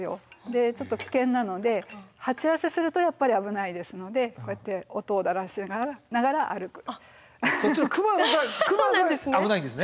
でちょっと危険なので鉢合わせするとやっぱり危ないですのでこうやって音を鳴らしながら歩く。